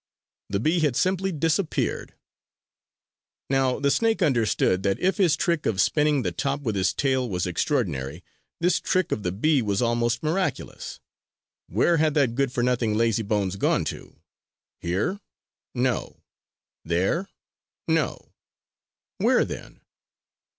The bee had simply disappeared! Now, the snake understood that if his trick of spinning the top with his tail was extraordinary, this trick of the bee was almost miraculous. Where had that good for nothing lazybones gone to? Here? No! There? No! Where then?